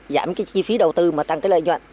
giảm cái chi phí đầu tư mà tăng cái lợi nhuận